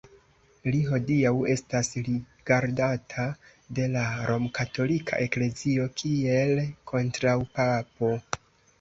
Li hodiaŭ estas rigardata de la Romkatolika Eklezio kiel kontraŭpapo.